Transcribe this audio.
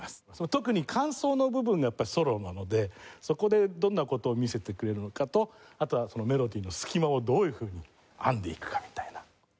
特に間奏の部分がやっぱりソロなのでそこでどんな事を見せてくれるのかとあとはメロディの隙間をどういうふうに編んでいくかみたいな。